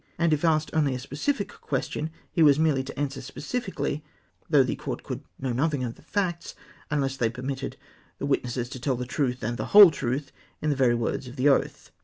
And if asked only a specific question, he was merely to answer specifically; though the Court could know nothing of the facts, unless they permitted the witnesses to tell the truth, and the whole truth, in the very words of the oath.